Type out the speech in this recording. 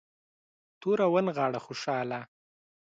توره ونغاړه خوشحاله.